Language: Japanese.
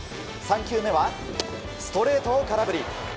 ３球目はストレートを空振り。